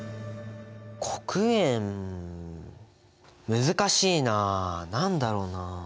黒鉛難しいなあ何だろうなあ？